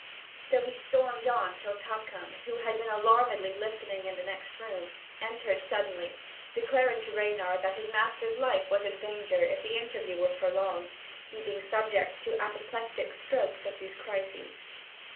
So he stormed on till Tupcombe, who had been alarmedly listening in the next room, entered suddenly, declaring to Reynard that his master's life was in danger if the interview were prolonged, he being subject to apoplectic strokes at these crises.